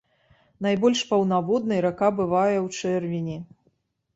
Найбольш паўнаводнай рака бывае ў чэрвені.